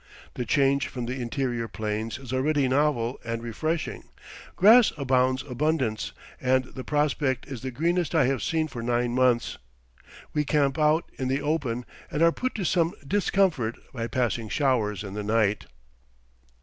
The change from the interior plains is already novel and refreshing. Grass abounds abundance, and the prospect is the greenest I have seen for nine months. We camp out in the open, and are put to some discomfort by passing showers in the night.